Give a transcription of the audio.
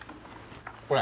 これ？